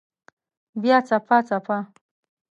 بیا څپه، څپه